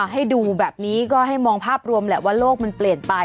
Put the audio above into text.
ให้ดูแบบนี้ก็ให้มองภาพรวมแหละว่าโลกมันเปลี่ยนไป